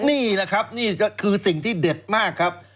นี่แหละครับนี่ก็คือสิ่งที่เด็ดมากครับ